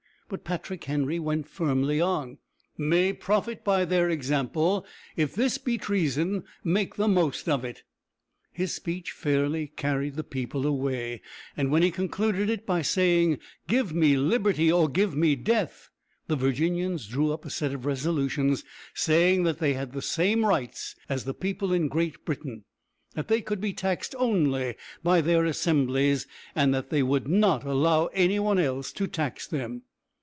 But Patrick Henry went firmly on, "may profit by their example. If this be treason, make the most of it!" [Illustration: Patrick Henry's Speech.] His speech fairly carried the people away, and when he concluded it by saying: "Give me liberty, or give me death," the Virginians drew up a set of resolutions saying that they had the same rights as the people in Great Britain, that they could be taxed only by their assemblies, and that they would not allow any one else to tax them.